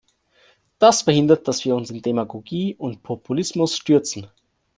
Das verhindert, dass wir uns in Demagogie und Populismus stürzen.